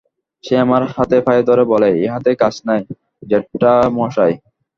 সে আমার হাতে পায়ে ধরে, বলে, ইহাতে কাজ নাই, জ্যাঠামশায়।